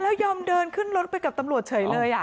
แล้วยอมเดินขึ้นรถไปกับตำรวจเฉยเลย